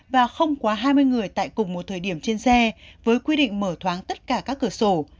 và không quá hai mươi người tại cùng một thời điểm trên xe với quy định mở thoáng tất cả các cửa sổ